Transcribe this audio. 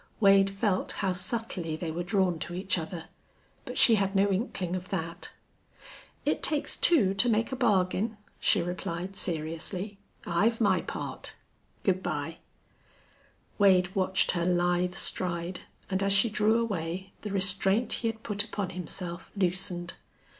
Wade felt how subtly they were drawn to each other. But she had no inkling of that. "It takes two to make a bargain," she replied, seriously. "I've my part. Good by." Wade watched her lithe stride, and as she drew away the restraint he had put upon himself loosened.